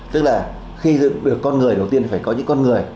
tức là khi xây dựng được con người đầu tiên thì phải có những con người